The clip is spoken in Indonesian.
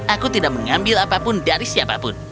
aku tidak mengambil apapun dari siapapun